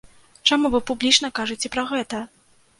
Чаму вы публічна кажаце пра гэта?